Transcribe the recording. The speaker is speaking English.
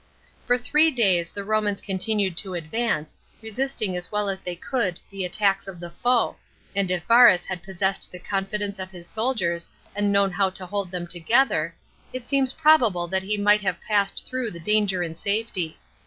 For three Hays the Bomans continued to advance, resisting as well as they could the attacks of the foe, and if Varus had possessed the confidence of his soldiers and known how to hold them together, it seems probable that he might have passed through the danger in safety.